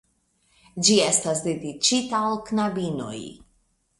Ĝi estas dediĉita al knabinoj.